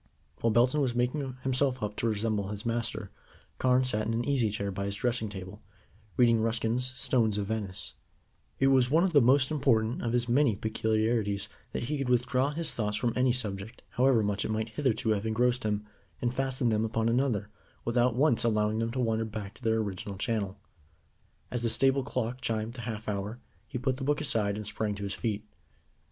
While Belton was making himself up to resemble his master, Carne sat in an easy chair by his dressing table, reading Ruskin's Stones of Venice. It was one of the most important of his many peculiarities that he could withdraw his thoughts from any subject, however much it might hitherto have engrossed him, and fasten them upon another, without once allowing them to wander back to their original channel. As the stable clock chimed the half hour, he put the book aside, and sprang to his feet.